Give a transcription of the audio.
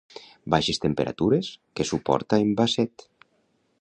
Baixes temperatures que suporta en Basset.